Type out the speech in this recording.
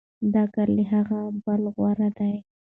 دا کار له هغه بل غوره دی.